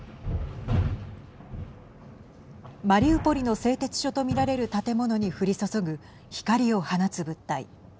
マリウポリの製鉄所とみられる建物に降り注ぐ光を放つ物体。